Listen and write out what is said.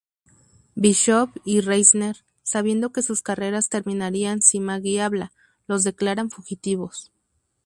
Bishop y Reisner, sabiendo que sus carreras terminarían si Maggie habla, los declaran fugitivos.